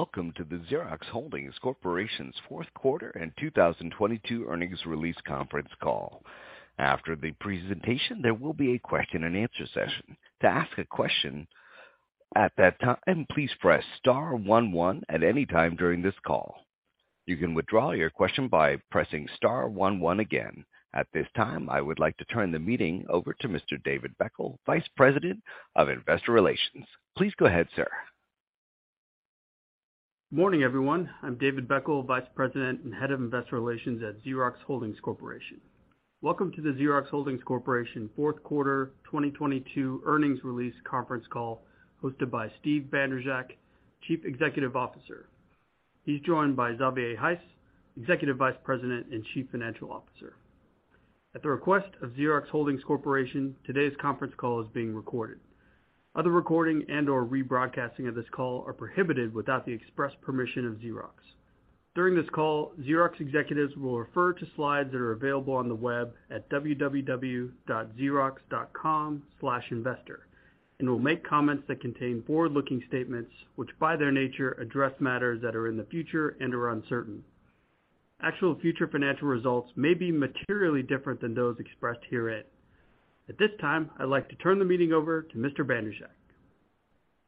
Welcome to the Xerox Holdings Corporation's Q4 and 2022 earnings release conference call. After the presentation, there will be a question and answer session. To ask a question at that time, please press * 1 1 at any time during this call. You can withdraw your question by pressing * 1 1 again. At this time, I would like to turn the meeting over to Mr. David Beckel, Vice President of Investor Relations. Please go ahead, sir. Morning, everyone. I'm David Beckel, Vice President and Head of Investor Relations at Xerox Holdings Corporation. Welcome to the Xerox Holdings Corporation Q4 2022 earnings release conference call hosted by Steve Bandrowczak, Chief Executive Officer. He's joined by Xavier Heiss, Executive Vice President and Chief Financial Officer. At the request of Xerox Holdings Corporation, today's conference call is being recorded. Other recording and/or rebroadcasting of this call are prohibited without the express permission of Xerox. During this call, Xerox executives will refer to slides that are available on the web at www.xerox.com/investor, and will make comments that contain forward-looking statements, which, by their nature, address matters that are in the future and are uncertain. Actual future financial results may be materially different than those expressed herein. At this time, I'd like to turn the meeting over to Mr. Bandrowczak.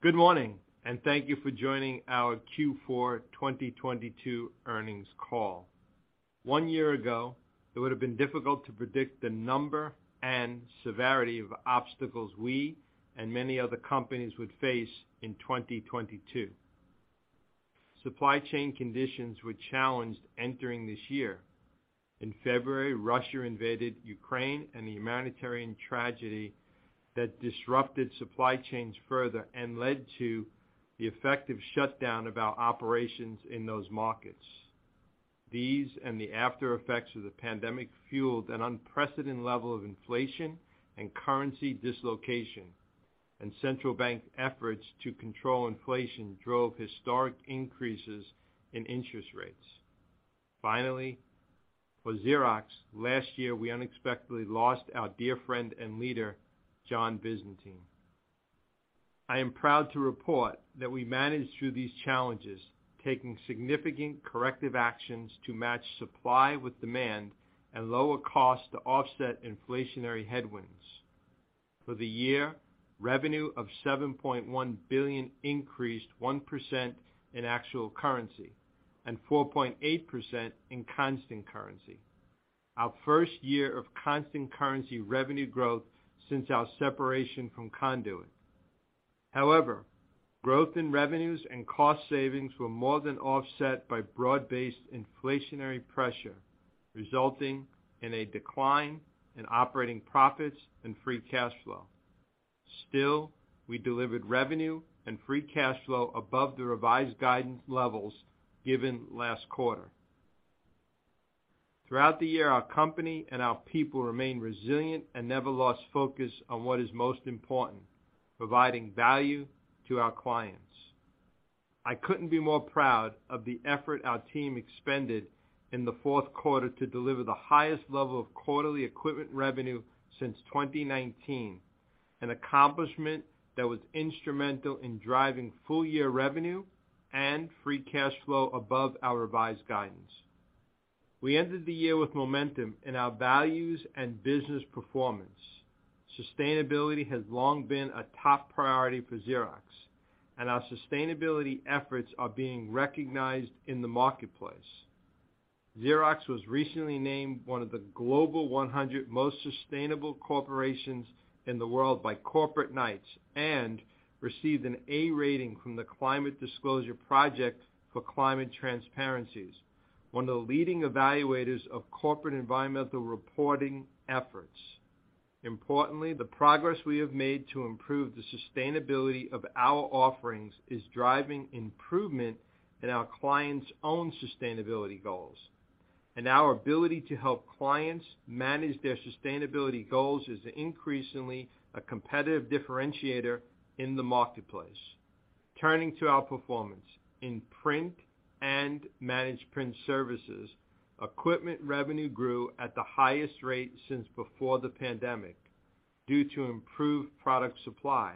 Good morning, thank you for joining our Q4 2022 earnings call. 1 year ago, it would have been difficult to predict the number and severity of obstacles we and many other companies would face in 2022. Supply chain conditions were challenged entering this year. In February, Russia invaded Ukraine, and the humanitarian tragedy that disrupted supply chains further and led to the effective shutdown of our operations in those markets. These and the after effects of the pandemic fueled an unprecedented level of inflation and currency dislocation, and central bank efforts to control inflation drove historic increases in interest rates. Finally, for Xerox, last year, we unexpectedly lost our dear friend and leader, John Visentin. I am proud to report that we managed through these challenges, taking significant corrective actions to match supply with demand and lower cost to offset inflationary headwinds. For the year, revenue of $7.1 billion increased 1% in actual currency and 4.8% in constant currency. Our 1st year of constant currency revenue growth since our separation from Conduent. Growth in revenues and cost savings were more than offset by broad-based inflationary pressure, resulting in a decline in operating profits and free cash flow. We delivered revenue and free cash flow above the revised guidance levels given last quarter. Throughout the year, our company and our people remained resilient and never lost focus on what is most important, providing value to our clients. I couldn't be more proud of the effort our team expended in the Q4 to deliver the highest level of quarterly equipment revenue since 2019, an accomplishment that was instrumental in driving full-year revenue and free cash flow above our revised guidance. We ended the year with momentum in our values and business performance. Sustainability has long been a top priority for Xerox, and our sustainability efforts are being recognized in the marketplace. Xerox was recently named 1 of the Global 100 most sustainable corporations in the world by Corporate Knights and received an A rating from the Climate Disclosure Project for Climate Transparencies, 1 of the leading evaluators of corporate environmental reporting efforts. Importantly, the progress we have made to improve the sustainability of our offerings is driving improvement in our clients' own sustainability goals, and our ability to help clients manage their sustainability goals is increasingly a competitive differentiator in the marketplace. Turning to our performance. In print and managed print services, equipment revenue grew at the highest rate since before the pandemic due to improved product supply.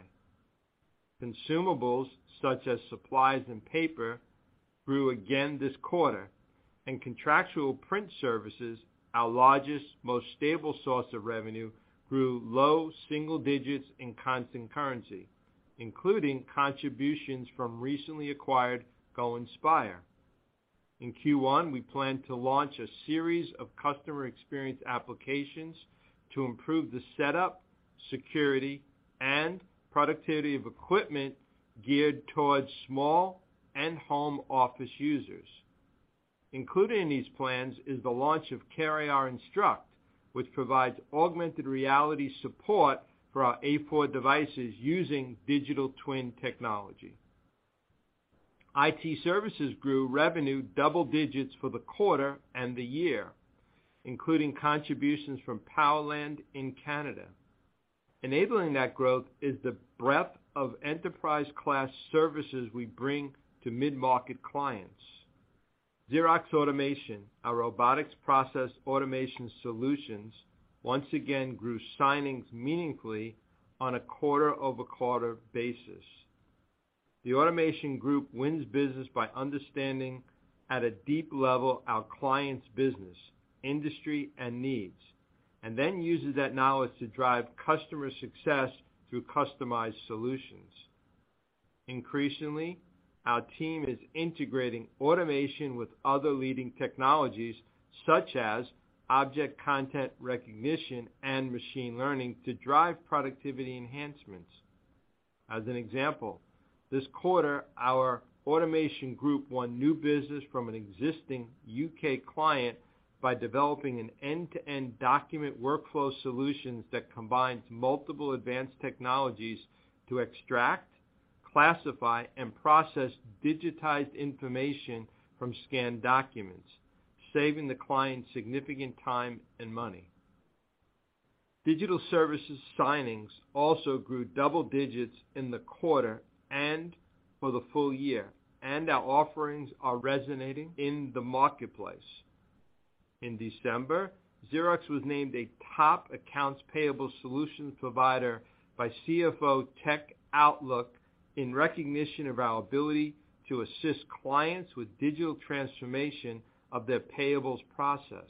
Consumables, such as supplies and paper, grew again this quarter, and contractual print services, our largest, most stable source of revenue, grew low single digits in constant currency, including contributions from recently acquired Go Inspire. In Q1, we plan to launch a series of customer experience applications to improve the setup, security, and productivity of equipment geared towards small and home office users. Included in these plans is the launch of CareAR Instruct, which provides augmented reality support for our A4 devices using digital twin technology. IT services grew revenue double digits for the quarter and the year, including contributions from Powerland in Canada. Enabling that growth is the breadth of enterprise-class services we bring to mid-market clients. Xerox Automation, our robotics process automation solutions, once again grew signings meaningfully on a quarter-over-quarter basis. The automation group wins business by understanding at a deep level our clients' business, industry, and needs, and then uses that knowledge to drive customer success through customized solutions. Increasingly, our team is integrating automation with other leading technologies, such as Object Content Recognition and machine learning to drive productivity enhancements. As an example, this quarter, our automation group won new business from an existing U.K. client by developing an end-to-end document workflow solutions that combines multiple advanced technologies to extract, classify, and process digitized information from scanned documents, saving the client significant time and money. Digital services signings also grew double digits in the quarter and for the full year, and our offerings are resonating in the marketplace. In December, Xerox was named a top accounts payable solutions provider by CFO Tech Outlook in recognition of our ability to assist clients with digital transformation of their payables process.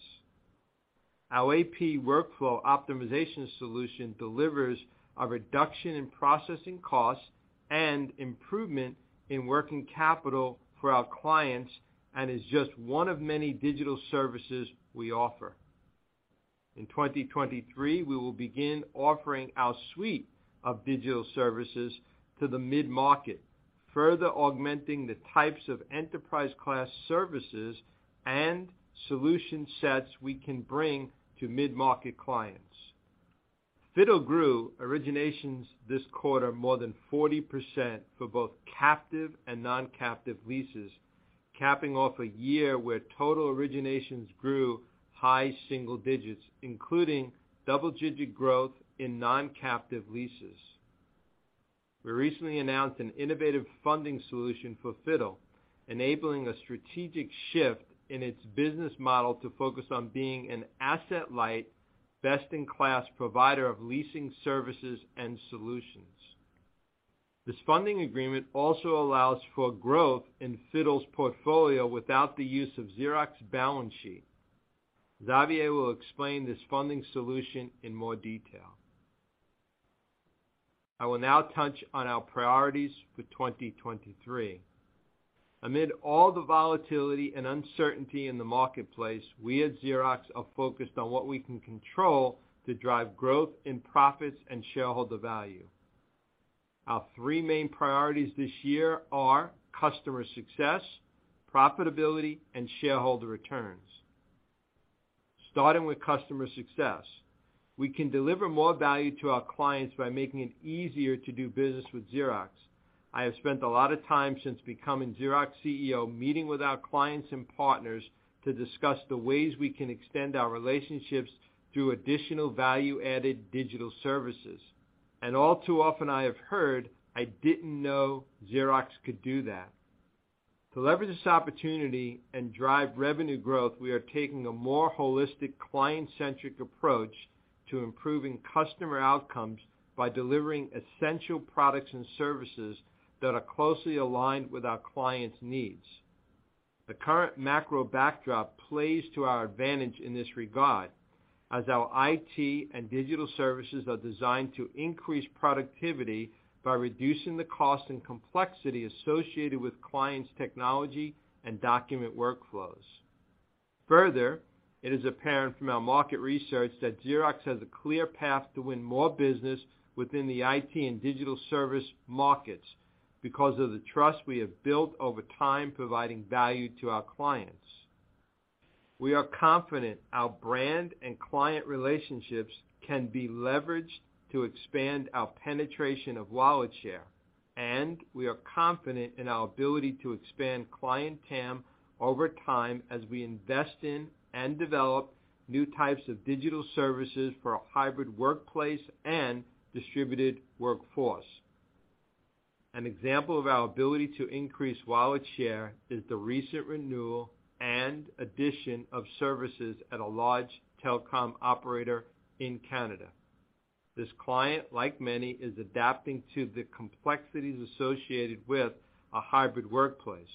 Our AP workflow optimization solution delivers a reduction in processing costs and improvement in working capital for our clients and is just 1 of many digital services we offer. In 2023, we will begin offering our suite of digital services to the mid-market, further augmenting the types of enterprise-class services and solution sets we can bring to mid-market clients. FITTLE grew originations this quarter more than 40% for both captive and non-captive leases, capping off a year where total originations grew high single digits, including double-digit growth in non-captive leases. We recently announced an innovative funding solution for FITTLE, enabling a strategic shift in its business model to focus on being an asset-light, best-in-class provider of leasing services and solutions. This funding agreement also allows for growth in FITTLE's portfolio without the use of Xerox balance sheet. Xavier will explain this funding solution in more detail. I will now touch on our priorities for 2023. Amid all the volatility and uncertainty in the marketplace, we at Xerox are focused on what we can control to drive growth in profits and shareholder value. Our 3 main priorities this year are customer success, profitability, and shareholder returns. Starting with customer success, we can deliver more value to our clients by making it easier to do business with Xerox. I have spent a lot of time since becoming Xerox CEO meeting with our clients and partners to discuss the ways we can extend our relationships through additional value-added digital services. All too often I have heard, "I didn't know Xerox could do that." To leverage this opportunity and drive revenue growth, we are taking a more holistic client-centric approach to improving customer outcomes by delivering essential products and services that are closely aligned with our clients' needs. The current macro backdrop plays to our advantage in this regard, as our IT and digital services are designed to increase productivity by reducing the cost and complexity associated with clients' technology and document workflows. It is apparent from our market research that Xerox has a clear path to win more business within the IT and digital service markets because of the trust we have built over time providing value to our clients. We are confident our brand and client relationships can be leveraged to expand our penetration of wallet share, and we are confident in our ability to expand client TAM over time as we invest in and develop new types of digital services for a hybrid workplace and distributed workforce. An example of our ability to increase wallet share is the recent renewal and addition of services at a large telecom operator in Canada. This client, like many, is adapting to the complexities associated with a hybrid workplace.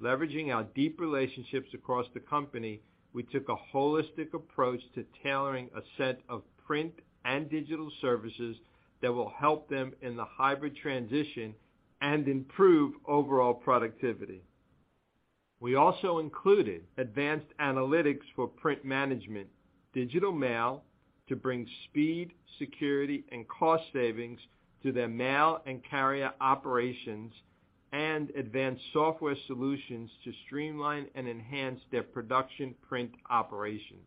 Leveraging our deep relationships across the company, we took a holistic approach to tailoring a set of print and digital services that will help them in the hybrid transition and improve overall productivity. We also included advanced analytics for print management, digital mail to bring speed, security, and cost savings to their mail and carrier operations, and advanced software solutions to streamline and enhance their production print operations.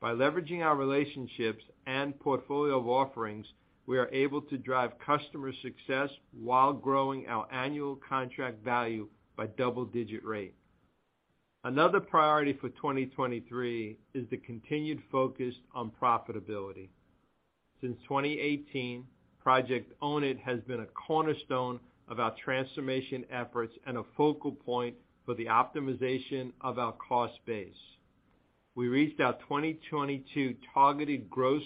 By leveraging our relationships and portfolio of offerings, we are able to drive customer success while growing our annual contract value by double-digit rate. Another priority for 2023 is the continued focus on profitability. Since 2018, Project Own It has been a cornerstone of our transformation efforts and a focal point for the optimization of our cost base. We reached our 2022 targeted gross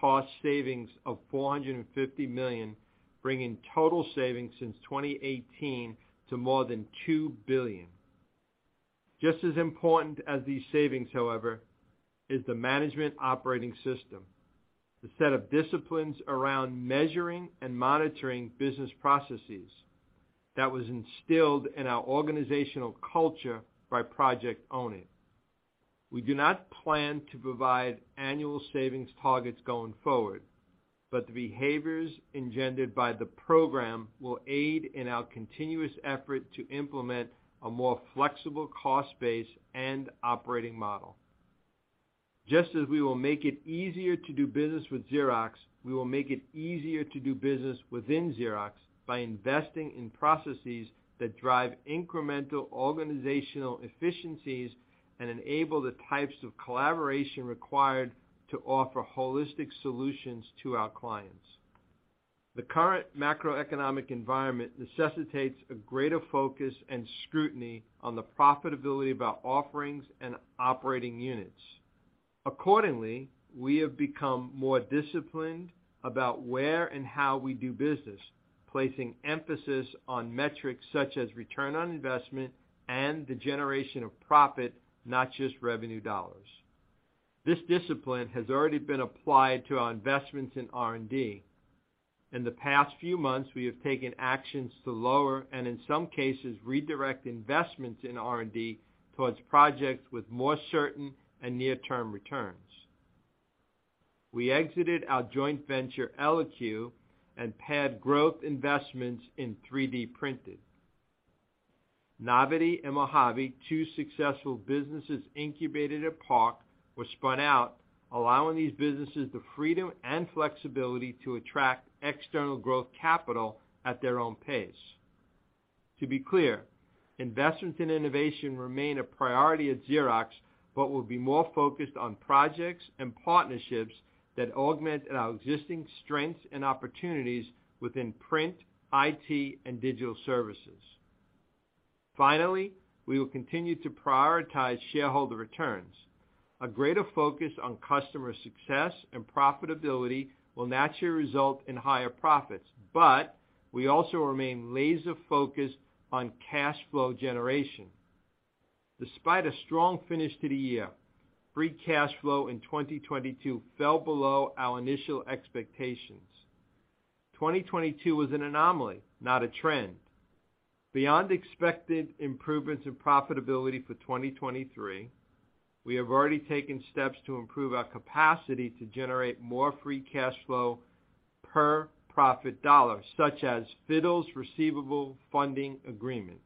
cost savings of $450 million, bringing total savings since 2018 to more than $2 billion. Just as important as these savings, however, is the management operating system, the set of disciplines around measuring and monitoring business processes that was instilled in our organizational culture by Project Own It. We do not plan to provide annual savings targets going forward, but the behaviors engendered by the program will aid in our continuous effort to implement a more flexible cost base and operating model. Just as we will make it easier to do business with Xerox, we will make it easier to do business within Xerox by investing in processes that drive incremental organizational efficiencies and enable the types of collaboration required to offer holistic solutions to our clients. The current macroeconomic environment necessitates a greater focus and scrutiny on the profitability of our offerings and operating units. Accordingly, we have become more disciplined about where and how we do business, placing emphasis on metrics such as return on investment and the generation of profit, not just revenue dollars. This discipline has already been applied to our investments in R&D. In the past few months, we have taken actions to lower, and in some cases, redirect investments in R&D towards projects with more certain and near-term returns. We exited our joint venture, Eloque, and pared growth investments in 3D printing. Novity and Mojave, 2 successful businesses incubated at PARC, were spun out, allowing these businesses the freedom and flexibility to attract external growth capital at their own pace. To be clear, investments in innovation remain a priority at Xerox, but we'll be more focused on projects and partnerships that augment our existing strengths and opportunities within print, IT, and digital services. Finally, we will continue to prioritize shareholder returns. A greater focus on customer success and profitability will naturally result in higher profits, but we also remain laser-focused on cash flow generation. Despite a strong finish to the year, free cash flow in 2022 fell below our initial expectations. 2022 was an anomaly, not a trend. Beyond expected improvements in profitability for 2023, we have already taken steps to improve our capacity to generate more free cash flow per profit dollar, such as FITTLE's receivable funding agreement.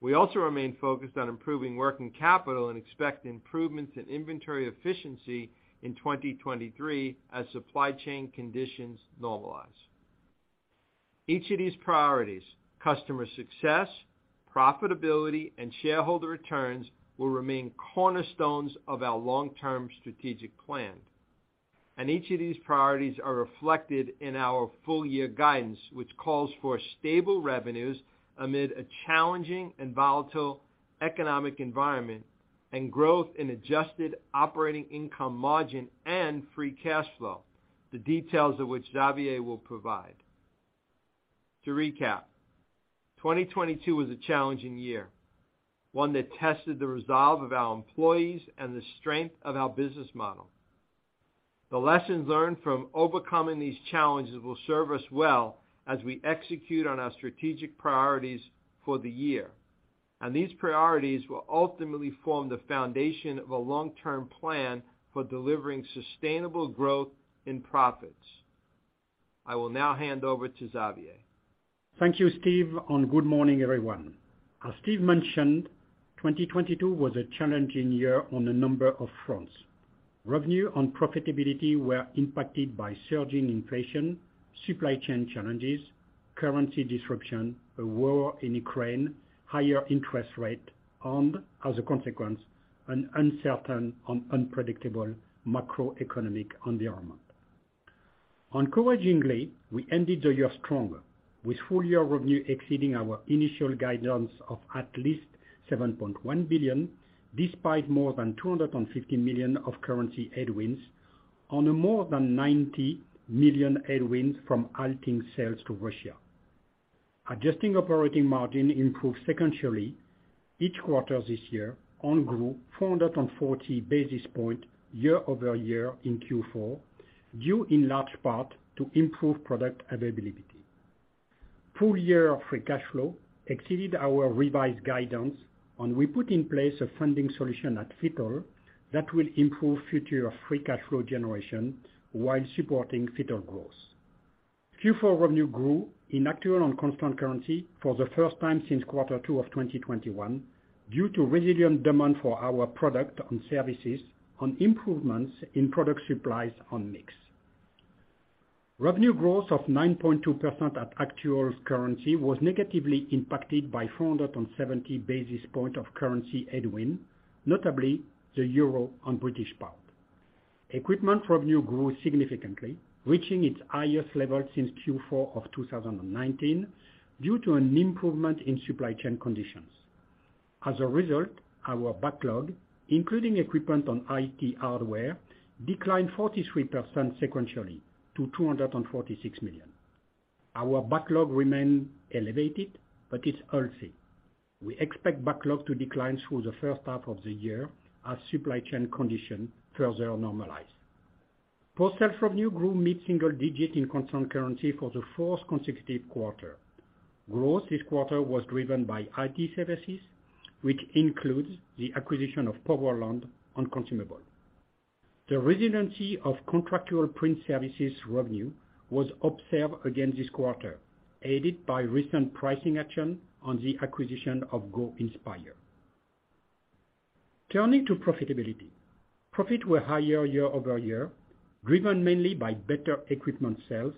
We also remain focused on improving working capital and expect improvements in inventory efficiency in 2023 as supply chain conditions normalize. Each of these priorities, customer success, profitability, and shareholder returns, will remain cornerstones of our long-term strategic plan. Each of these priorities are reflected in our full year guidance, which calls for stable revenues amid a challenging and volatile economic environment and growth in adjusted operating income margin and free cash flow, the details of which Xavier will provide. To recap, 2022 was a challenging year, 1 that tested the resolve of our employees and the strength of our business model. The lessons learned from overcoming these challenges will serve us well as we execute on our strategic priorities for the year, these priorities will ultimately form the foundation of a long-term plan for delivering sustainable growth in profits. I will now hand over to Xavier. Thank you, Steve. Good morning, everyone. As Steve mentioned, 2022 was a challenging year on a number of fronts. Revenue and profitability were impacted by surging inflation, supply chain challenges, currency disruption, a war in Ukraine, higher interest rate, and as a consequence, an uncertain and unpredictable macroeconomic environment. Encouragingly, we ended the year stronger, with full-year revenue exceeding our initial guidance of at least $7.1 billion, despite more than $250 million of currency headwinds on a more than $90 million headwinds from halting sales to Russia. Adjusted operating margin improved sequentially each quarter this year and grew 440 basis points year-over-year in Q4, due in large part to improved product availability. Full year of free cash flow exceeded our revised guidance. We put in place a funding solution at FITTLE that will improve future free cash flow generation while supporting FITTLE growth. Q4 revenue grew in actual on constant currency for the first time since Q2 of 2021 due to resilient demand for our product and services and improvements in product supplies on mix. Revenue growth of 9.2% at actual currency was negatively impacted by 470 basis points of currency headwind, notably the euro and British pound. Equipment revenue grew significantly, reaching its highest level since Q4 of 2019 due to an improvement in supply chain conditions. As a result, our backlog, including equipment and IT hardware, declined 43% sequentially to $246 million. Our backlog remained elevated. It's healthy. We expect backlog to decline through the H1 of the year as supply chain conditions further normalize. Post-sales revenue grew mid-single-digit in constant currency for the 4th consecutive quarter. Growth this quarter was driven by IT services, which includes the acquisition of Powerland on consumable. The resiliency of contractual print services revenue was observed again this quarter, aided by recent pricing action on the acquisition of Go Inspire. Turning to profitability. Profit were higher year-over-year, driven mainly by better equipment sales,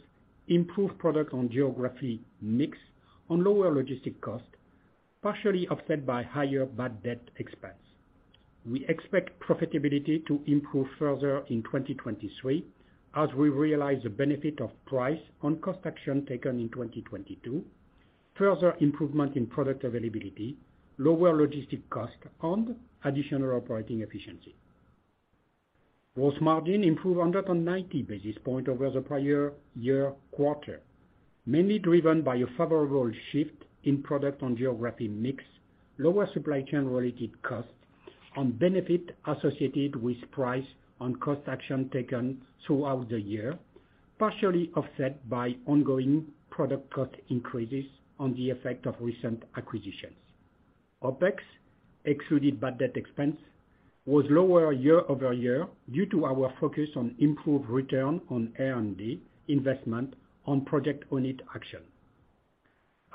improved product and geography mix, and lower logistic cost, partially offset by higher bad debt expense. We expect profitability to improve further in 2023 as we realize the benefit of price on cost action taken in 2022, further improvement in product availability, lower logistic cost, and additional operating efficiency. Gross margin improved 190 basis points over the prior year quarter, mainly driven by a favorable shift in product and geography mix, lower supply chain-related costs, and benefit associated with price on cost action taken throughout the year, partially offset by ongoing product cost increases on the effect of recent acquisitions. OpEx, excluded bad debt expense, was lower year-over-year due to our focus on improved return on R&D investment on Project Own It action.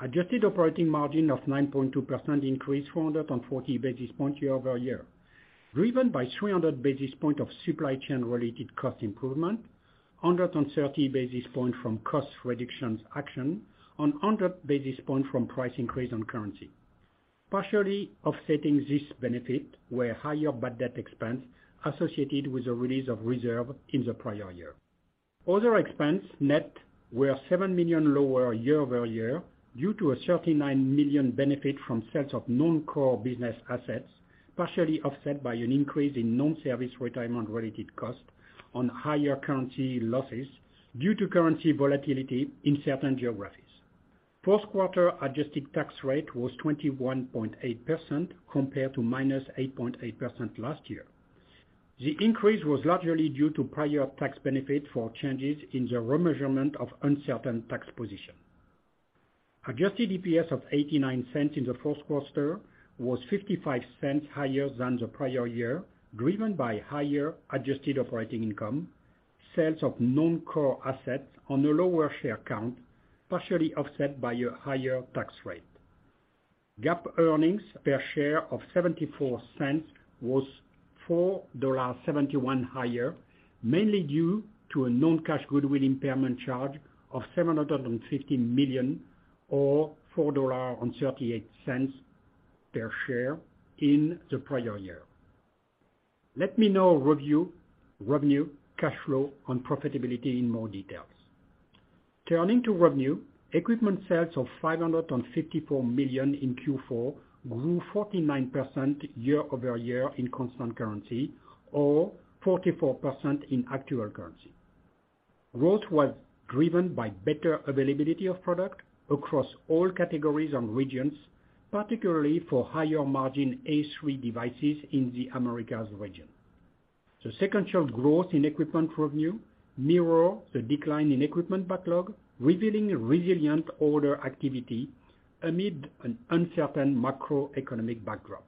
adjusted operating margin of 9.2% increased 440 basis points year-over-year, driven by 300 basis points of supply chain-related cost improvement, 130 basis points from cost reductions action, and 100 basis points from price increase on currency. Partially offsetting this benefit were higher bad debt expense associated with the release of reserve in the prior year. Other expense net were $7 million lower year-over-year due to a $39 million benefit from sales of non-core business assets, partially offset by an increase in non-service retirement-related cost on higher currency losses due to currency volatility in certain geographies. Q1 adjusted tax rate was 21.8% compared to -8.8% last year. The increase was largely due to prior tax benefit for changes in the remeasurement of uncertain tax position. Adjusted EPS of $0.89 in the Q1 was $0.55 higher than the prior year, driven by higher adjusted operating income, sales of non-core assets on a lower share count, partially offset by a higher tax rate. GAAP earnings per share of $0.74 was $4.71 higher, mainly due to a non-cash goodwill impairment charge of $750 million or $4.38 per share in the prior year. Let me now review revenue, cash flow, and profitability in more details. Turning to revenue, equipment sales of $554 million in Q4 grew 49% year-over-year in constant currency or 44% in actual currency. Growth was driven by better availability of product across all categories and regions, particularly for higher margin A3 devices in the Americas region. The 2nd show of growth in equipment revenue mirror the decline in equipment backlog, revealing resilient order activity amid an uncertain macroeconomic backdrop.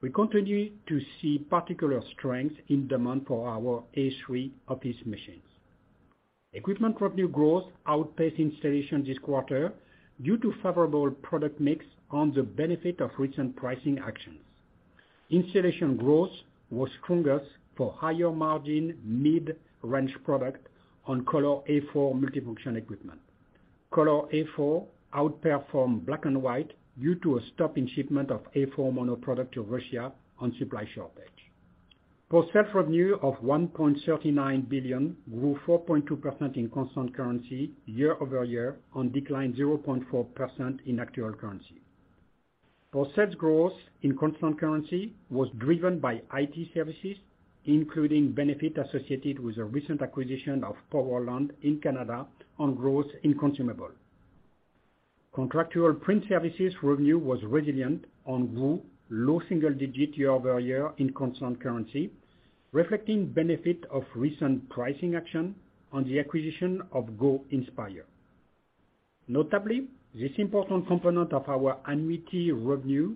We continue to see particular strength in demand for our A3 office machines. Equipment revenue growth outpaced installation this quarter due to favorable product mix on the benefit of recent pricing actions. Installation growth was strongest for higher margin mid-range product on color A4 multifunction equipment. Color A4 outperformed black and white due to a stop in shipment of A4 mono product to Russia on supply shortage. Post-sales revenue of $1.39 billion grew 4.2% in constant currency year-over-year and declined 0.4% in actual currency. Post-sales growth in constant currency was driven by IT services, including benefit associated with the recent acquisition of Powerland in Canada on growth in consumable. Contractual print services revenue was resilient and grew low single digits year-over-year in constant currency, reflecting benefit of recent pricing action on the acquisition of Go Inspire. Notably, this important component of our annuity revenue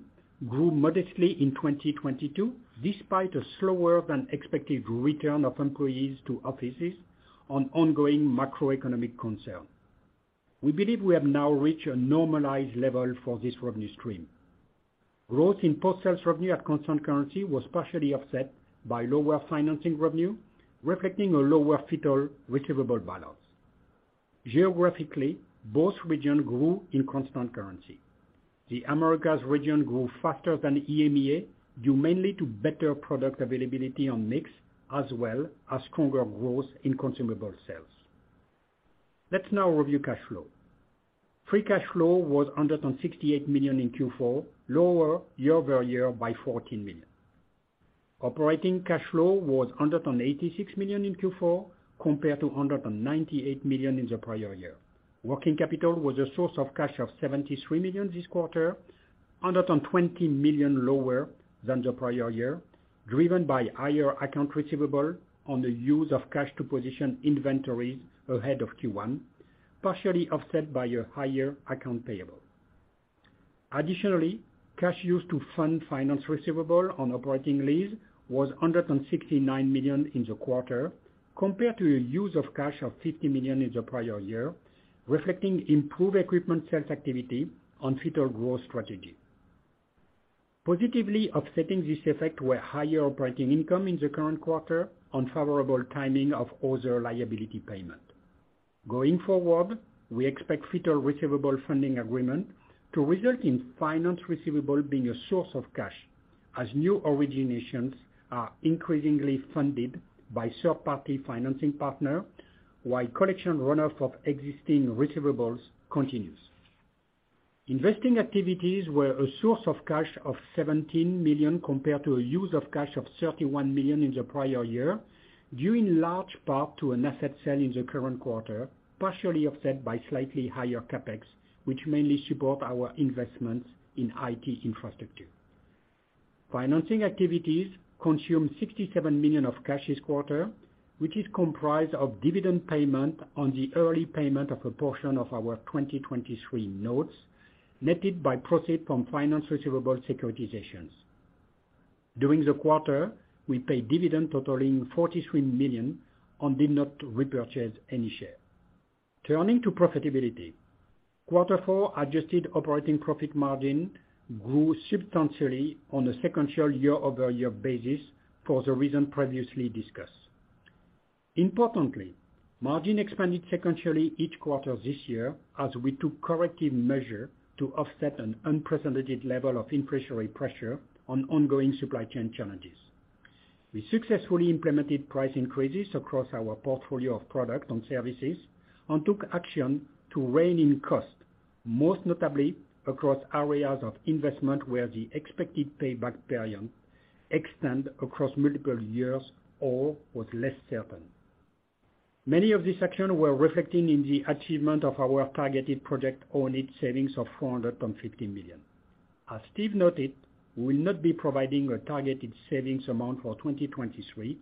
grew modestly in 2022 despite a slower than expected return of employees to offices on ongoing macroeconomic concern. We believe we have now reached a normalized level for this revenue stream. Growth in post sales revenue at constant currency was partially offset by lower financing revenue, reflecting a lower FITTLE receivable balance. Geographically, both region grew in constant currency. The Americas region grew faster than EMEA, due mainly to better product availability on mix as well as stronger growth in consumable sales. Let's now review cash flow. Free cash flow was $168 million in Q4, lower year-over-year by $14 million. Operating cash flow was $186 million in Q4 compared to $198 million in the prior year. Working capital was a source of cash of $73 million this quarter, $120 million lower than the prior year, driven by higher account receivable on the use of cash to position inventory ahead of Q1, partially offset by a higher account payable. Additionally, cash used to fund finance receivable on operating lease was $169 million in the quarter compared to a use of cash of $50 million in the prior year, reflecting improved equipment sales activity on FITTLE growth strategy. Positively offsetting this effect were higher operating income in the current quarter on favorable timing of other liability payment. Going forward, we expect FITTLE receivable funding agreement to result in finance receivable being a source of cash as new originations are increasingly funded by third-party financing partner while collection runoff of existing receivables continues. Investing activities were a source of cash of $17 million compared to a use of cash of $31 million in the prior year, due in large part to an asset sale in the current quarter, partially offset by slightly higher CapEx, which mainly support our investments in IT infrastructure. Financing activities consumed $67 million of cash this quarter, which is comprised of dividend payment on the early payment of a portion of our 2023 notes, netted by proceed from finance receivable securitizations. During the quarter, we paid dividend totaling $43 million and did not repurchase any share. Turning to profitability. Q4 adjusted operating profit margin grew substantially on a sequential year-over-year basis for the reason previously discussed. Importantly, margin expanded sequentially each quarter this year as we took corrective measure to offset an unprecedented level of inflationary pressure on ongoing supply chain challenges. We successfully implemented price increases across our portfolio of product and services and took action to rein in cost, most notably across areas of investment where the expected payback period extend across multiple years or was less certain. Many of these action were reflecting in the achievement of our targeted Project Own It savings of $450 million. As Steve noted, we will not be providing a targeted savings amount for 2023,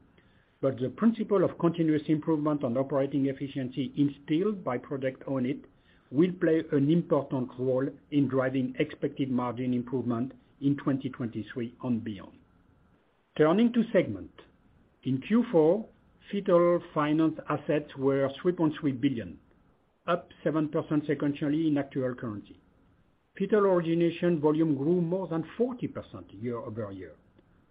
but the principle of continuous improvement on operating efficiency instilled by Project Own It will play an important role in driving expected margin improvement in 2023 and beyond. Turning to segment. In Q4, FITTLE finance assets were $3.3 billion, up 7% sequentially in actual currency. FITTLE origination volume grew more than 40% year-over-year.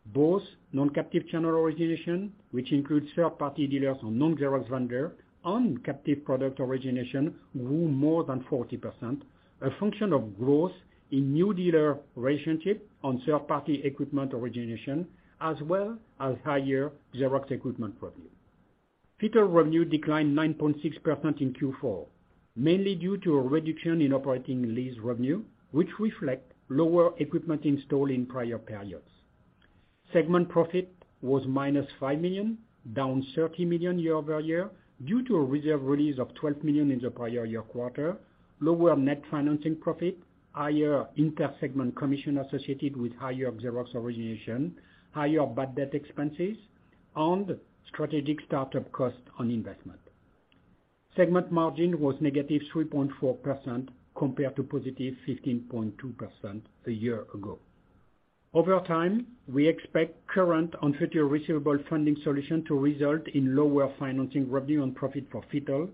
Both non-captive channel origination, which includes third-party dealers or non-Xerox vendor and captive product origination grew more than 40%, a function of growth in new dealer relationship on third-party equipment origination, as well as higher Xerox equipment revenue. FITTLE revenue declined 9.6% in Q4, mainly due to a reduction in operating lease revenue, which reflect lower equipment installed in prior periods. Segment profit was -$5 million, down $30 million year-over-year due to a reserve release of $12 million in the prior year quarter, lower net financing profit, higher inter-segment commission associated with higher Xerox origination, higher bad debt expenses, and strategic start-up cost on investment. Segment margin was negative 3.4% compared to positive 15.2% a year ago. Over time, we expect current and future receivable funding solution to result in lower financing revenue and profit for FITTLE,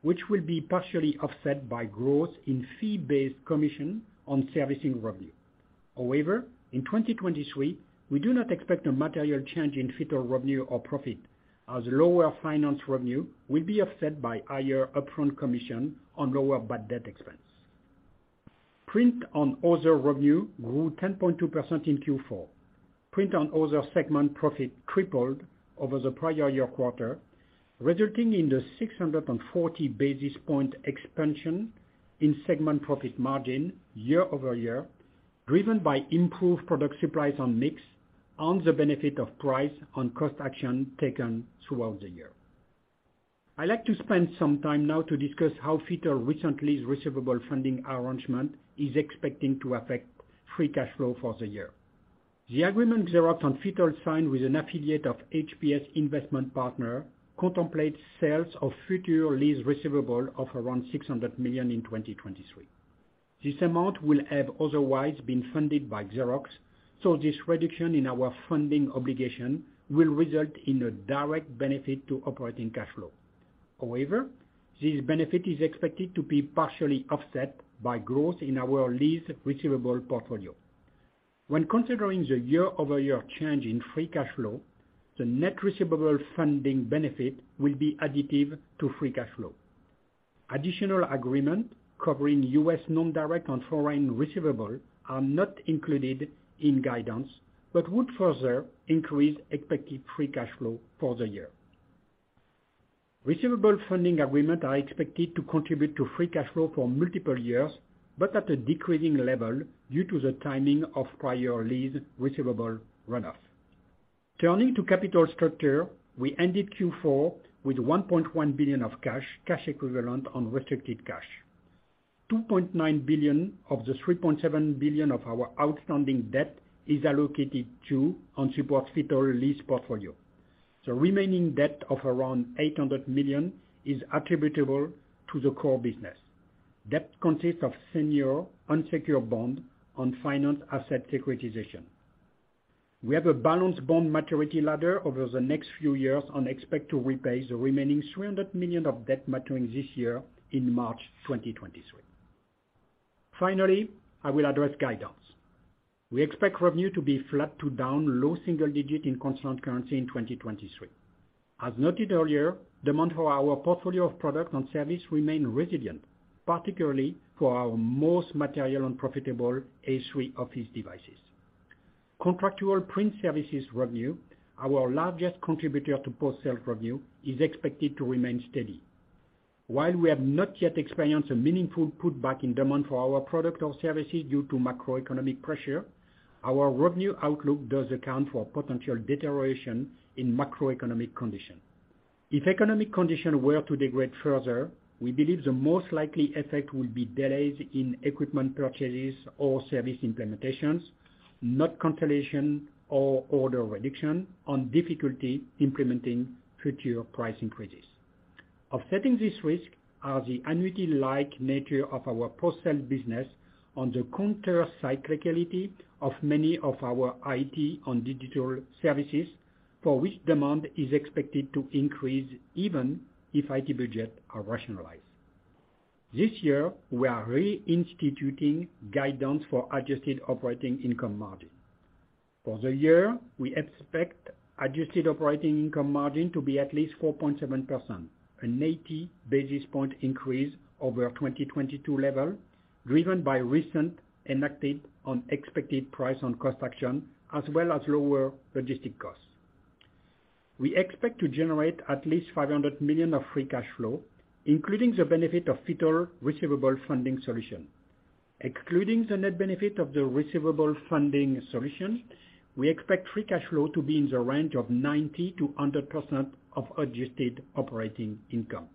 which will be partially offset by growth in fee-based commission on servicing revenue. However, in 2023, we do not expect a material change in FITTLE revenue or profit as lower finance revenue will be offset by higher upfront commission on lower bad debt expense. Print and Other revenue grew 10.2% in Q4. Print and Other segment profit tripled over the prior year quarter, resulting in the 640 basis point expansion in segment profit margin year-over-year, driven by improved product supplies on mix and the benefit of price on cost action taken throughout the year. I like to spend some time now to discuss how FITTLE recent lease receivable funding arrangement is expecting to affect free cash flow for the year. The agreement Xerox and FITTLE signed with an affiliate of HPS Investment Partners contemplates sales of future lease receivable of around $600 million in 2023. This amount will have otherwise been funded by Xerox. This reduction in our funding obligation will result in a direct benefit to operating cash flow. This benefit is expected to be partially offset by growth in our lease receivable portfolio. When considering the year-over-year change in free cash flow, the net receivable funding benefit will be additive to free cash flow. Additional agreement covering U.S. non-direct and foreign receivable are not included in guidance, but would further increase expected free cash flow for the year. Receivable funding agreement are expected to contribute to free cash flow for multiple years, but at a decreasing level due to the timing of prior lease receivable runoff. Turning to capital structure, we ended Q4 with $1.1 billion of cash equivalent, unrestricted cash. $2.9 billion of the $3.7 billion of our outstanding debt is allocated to and supports FITTLE lease portfolio. The remaining debt of around $800 million is attributable to the core business. Debt consists of senior unsecured bond on finance asset securitization. We have a balanced bond maturity ladder over the next few years and expect to repay the remaining $300 million of debt maturing this year in March 2023. I will address guidance. We expect revenue to be flat to down low single-digit in constant currency in 2023. As noted earlier, demand for our portfolio of products and service remain resilient, particularly for our most material and profitable A3 office devices. Contractual print services revenue, our largest contributor to post-sale revenue, is expected to remain steady. While we have not yet experienced a meaningful pushback in demand for our product or services due to macroeconomic pressure, our revenue outlook does account for potential deterioration in macroeconomic condition. If economic condition were to degrade further, we believe the most likely effect will be delays in equipment purchases or service implementations, not cancellation or order reduction on difficulty implementing future price increases. Offsetting this risk are the annuity-like nature of our post-sale business on the countercyclicality of many of our IT and digital services, for which demand is expected to increase even if IT budget are rationalized. This year, we are reinstituting guidance for adjusted operating income margin. For the year, we expect adjusted operating income margin to be at least 4.7%, an 80 basis point increase over 2022 level, driven by recent enacted on expected price on cost action as well as lower logistics costs. We expect to generate at least $500 million of free cash flow, including the benefit of FITTLE receivable funding solution. Excluding the net benefit of the receivable funding solution, we expect free cash flow to be in the range of 90% to 100% of adjusted operating income.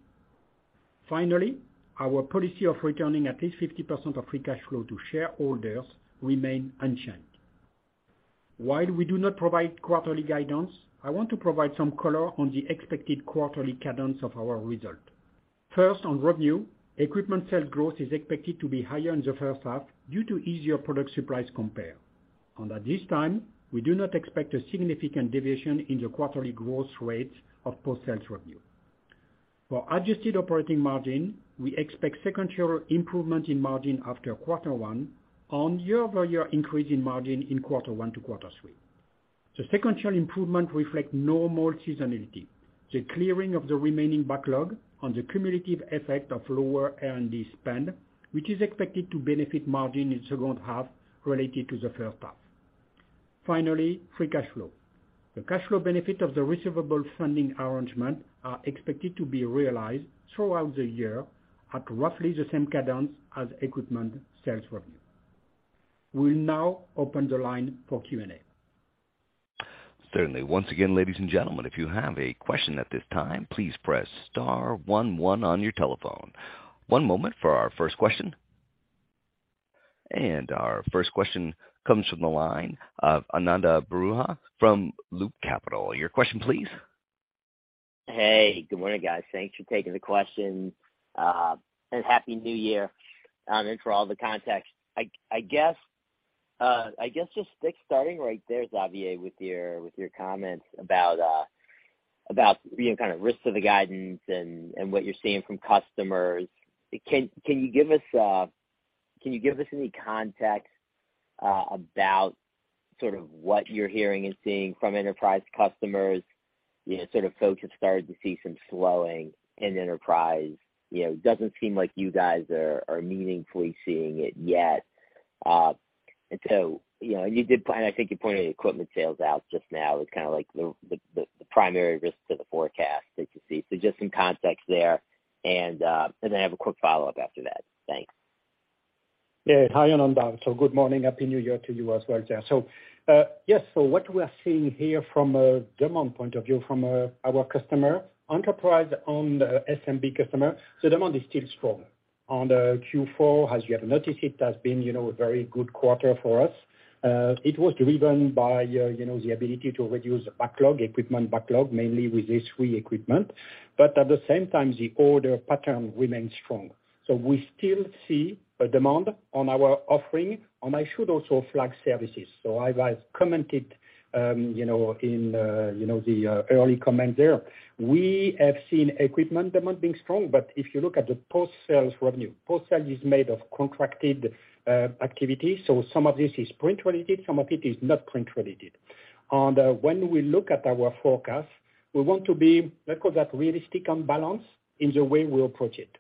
Finally, our policy of returning at least 50% of free cash flow to shareholders remain unchanged. While we do not provide quarterly guidance, I want to provide some color on the expected quarterly cadence of our result. On revenue, equipment sale growth is expected to be higher in the H1 due to easier product surprise compare. At this time, we do not expect a significant deviation in the quarterly growth rate of post-sales revenue. For adjusted operating margin, we expect sequential improvement in margin after Q1 on year-over-year increase in margin in Q1 to Q3. The sequential improvement reflect normal seasonality, the clearing of the remaining backlog on the cumulative effect of lower R&D spend, which is expected to benefit margin in the H2 related to the H1. Finally, free cash flow. The cash flow benefit of the receivable funding arrangement are expected to be realized throughout the year at roughly the same cadence as equipment sales revenue. We'll now open the line for Q&A. Certainly. Once again, ladies and gentlemen, if you have a question at this time, please press * 1 1 on your telephone. One moment for our 1st question. Our 1st question comes from the line of Ananda Baruah from Loop Capital. Your question please. Hey, good morning, guys. Thanks for taking the question, and Happy New Year. Then for all the context, I guess just stick starting right there, Xavier, with your comments about the kind of risks of the guidance and what you're seeing from customers. Can you give us any context about sort of what you're hearing and seeing from enterprise customers? You know, sort of folks have started to see some slowing in enterprise. You know, it doesn't seem like you guys are meaningfully seeing it yet. So, you know, and you did point, I think you pointed the equipment sales out just now as kinda like the primary risk to the forecast that you see. Just some context there and I have a quick follow-up after that. Thanks. Yeah. Hi, Ananda. Good morning. Happy New Year to you as well there. Yes, what we are seeing here from a demand point of view from our customer, enterprise and SMB customer, demand is still strong. On the Q4, as you have noticed, it has been, you know, a very good quarter for us. It was driven by, you know, the ability to reduce backlog, equipment backlog, mainly with this re-equipment. At the same time, the order pattern remains strong. We still see a demand on our offering, and I should also flag services. As, as commented, you know, in, you know, the early comment there, we have seen equipment demand being strong. If you look at the post-sales revenue, post-sale is made of contracted activity. Some of this is print related, some of it is not print related. When we look at our forecast, we want to be, let's call that realistic and balanced in the way we approach it.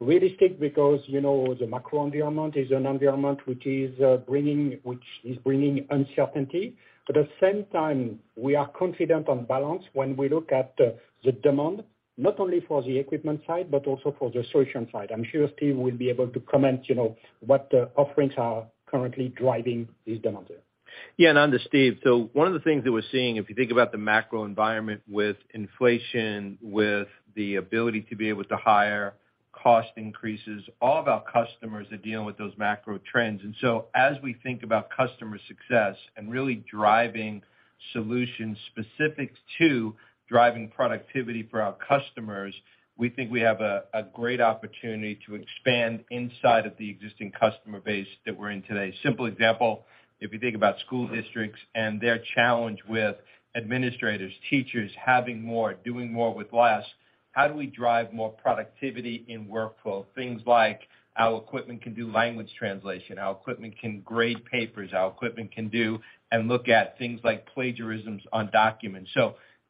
Realistic because, you know, the macro environment is an environment which is bringing uncertainty. At the same time, we are confident on balance when we look at the demand, not only for the equipment side, but also for the solution side. I'm sure Steve will be able to comment, you know, what offerings are currently driving this demand there. Yeah, I'm Steve. 1 of the things that we're seeing, if you think about the macro environment with inflation, with the ability to be able to hire, cost increases, all of our customers are dealing with those macro trends. As we think about customer success and really driving solutions specific to driving productivity for our customers, we think we have a great opportunity to expand inside of the existing customer base that we're in today. Simple example, if you think about school districts and their challenge with administrators, teachers having more, doing more with less, how do we drive more productivity in workflow? Things like our equipment can do language translation, our equipment can grade papers, our equipment can do and look at things like plagiarisms on documents.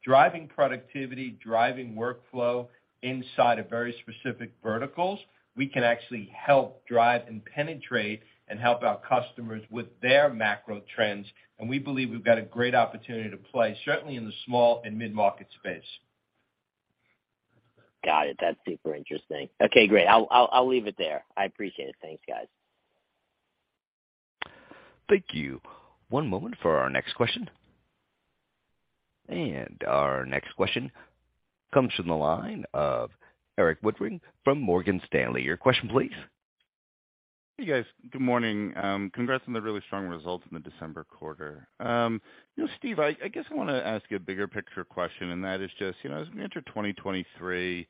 Driving productivity, driving workflow inside of very specific verticals, we can actually help drive and penetrate and help our customers with their macro trends. We believe we've got a great opportunity to play, certainly in the small and mid-market space. Got it. That's super interesting. Okay, great. I'll leave it there. I appreciate it. Thanks, guys. Thank you. One moment for our next question. Our next question comes from the line of Erik Woodring from Morgan Stanley. Your question, please. Hey, guys. Good morning. Congrats on the really strong results in the December quarter. You know, Steve, I guess I wanna ask you a bigger picture question, and that is just, you know, as we enter 2023,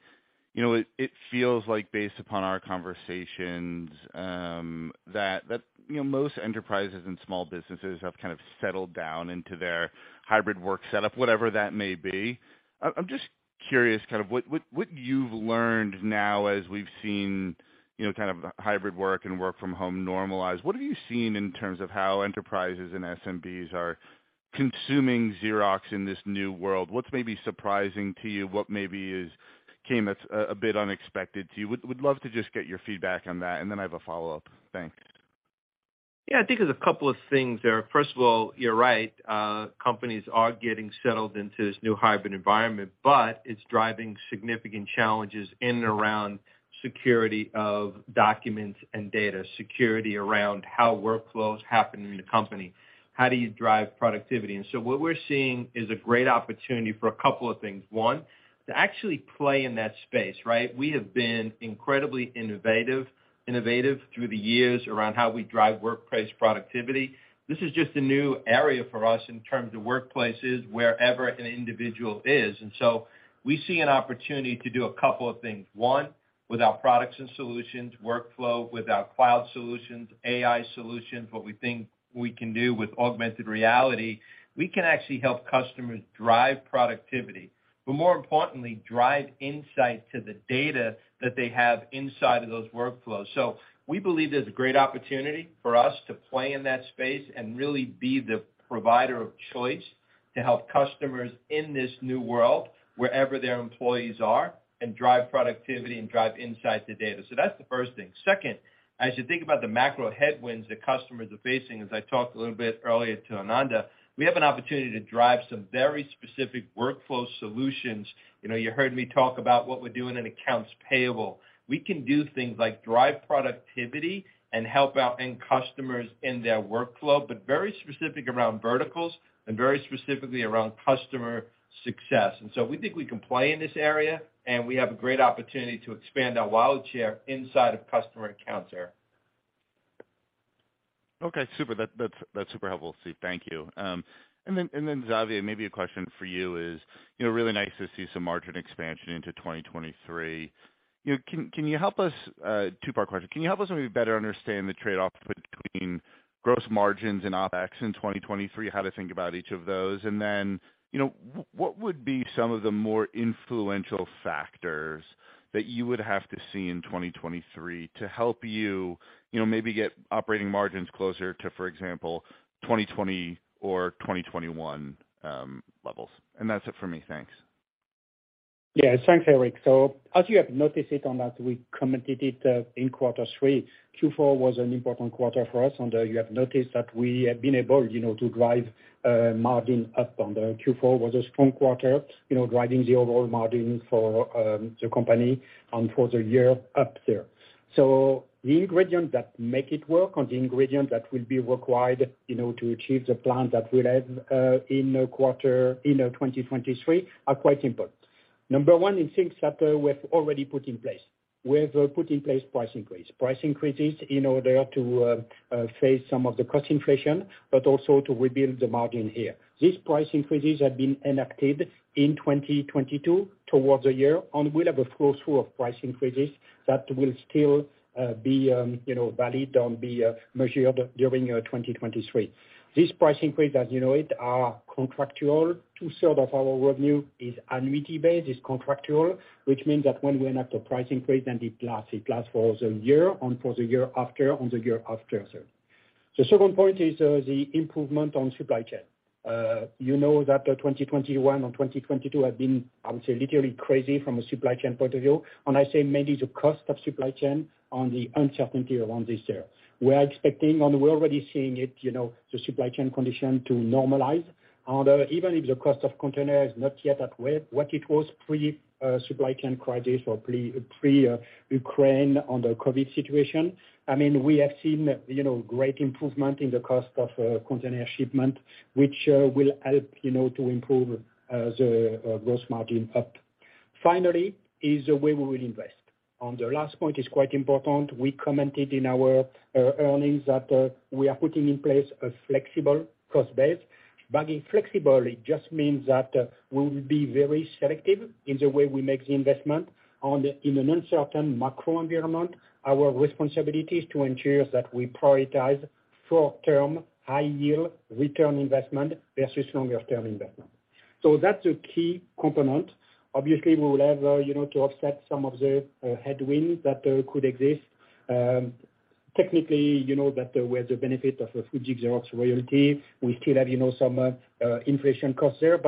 you know, it feels like based upon our conversations, that, you know, most enterprises and small businesses have kind of settled down into their hybrid work setup, whatever that may be. I'm just curious kind of what you've learned now as we've seen, you know, kind of hybrid work and work from home normalize. What have you seen in terms of how enterprises and SMBs are consuming Xerox in this new world? What's maybe surprising to you? What maybe is came that's a bit unexpected to you? Would love to just get your feedback on that, and then I have a follow-up. Thanks. Yeah. I think there's a couple of things there. First of all, you're right. Companies are getting settled into this new hybrid environment. It's driving significant challenges in and around security of documents and data, security around how workflows happen in the company. How do you drive productivity? What we're seeing is a great opportunity for a couple of things. 1, to actually play in that space, right? We have been incredibly innovative through the years around how we drive workplace productivity. This is just a new area for us in terms of workplaces, wherever an individual is. We see an opportunity to do a couple of things. 1, with our products and solutions, workflow, with our cloud solutions, AI solutions, what we think we can do with augmented reality, we can actually help customers drive productivity, but more importantly, drive insight to the data that they have inside of those workflows. We believe there's a great opportunity for us to play in that space and really be the provider of choice to help customers in this new world wherever their employees are, and drive productivity and drive insight to data. That's the first thing. 2nd, as you think about the macro headwinds that customers are facing, as I talked a little bit earlier to Ananda Baruah, we have an opportunity to drive some very specific workflow solutions. You know, you heard me talk about what we're doing in accounts payable. We can do things like drive productivity and help out end customers in their workflow, but very specific around verticals and very specifically around customer success. We think we can play in this area, and we have a great opportunity to expand our wallet share inside of customer accounts there. Okay, super. That's super helpful, Steve. Thank you. Xavier, maybe a question for you is, you know, really nice to see some margin expansion into 2023. You know, can you help us, 2-part question. Can you help us maybe better understand the trade-off between gross margins and OpEx in 2023, how to think about each of those? You know, what would be some of the more influential factors that you would have to see in 2023 to help you know, maybe get operating margins closer to, for example, 2020 or 2021 levels? That's it for me. Thanks. Yeah. Thanks, Erik. As you have noticed it on that, we commented it in Q3. Q4 was an important quarter for us, and you have noticed that we have been able, you know, to drive margin up on the Q4 was a strong quarter, you know, driving the overall margin for the company and for the year up there. The ingredient that make it work or the ingredient that will be required, you know, to achieve the plans that we'll have in the quarter, you know, 2023, are quite important. Number 1 is things that we have already put in place. We have put in place price increase. Price increases in order to face some of the cost inflation, but also to rebuild the margin here. These price increases have been enacted in 2022 towards the year and will have a full through of price increases that will still, you know, valid and be measured during 2023. These price increase, as you know it, are contractual. 2/3 of our revenue is annuity-based, is contractual, which means that when we enact a pricing increase, it lasts. It lasts for the year and for the year after and the year after. The 2nd point is the improvement on supply chain. You know that 2021 and 2022 have been, I would say literally crazy from a supply chain point of view. I say mainly the cost of supply chain on the uncertainty around this area. We are expecting and we're already seeing it, you know, the supply chain condition to normalize. Even if the cost of container is not yet at what it was pre supply chain crisis or pre Ukraine and the COVID situation. I mean, we have seen, you know, great improvement in the cost of container shipment, which will help, you know, to improve the gross margin up. Finally, is the way we will invest. The last point is quite important. We commented in our earnings that we are putting in place a flexible cost base. In flexible, it just means that we will be very selective in the way we make the investment. In an uncertain macro environment, our responsibility is to ensure that we prioritize short-term, high yield return investment versus longer term investment. That's a key component. Obviously, we will have, you know, to offset some of the headwind that could exist. Technically, you know, that we have the benefit of a Fuji Xerox royalty. We still have, you know, some inflation costs there.